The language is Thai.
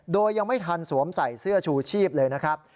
โดยยังไม่ทันสวมใส่เสื้อชูชีพเลยนะครับ